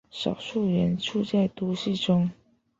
少数人住在都市中。